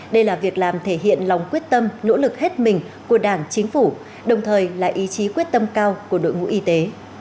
đây là việc làm thể hiện lòng quyết tâm nỗ lực hết mình của đảng chính phủ đồng thời là ý chí quyết tâm cao của đội ngũ y tế